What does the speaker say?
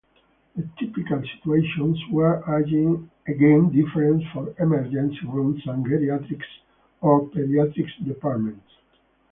The typical situations were again different for emergency rooms and geriatrics or pediatrics departments.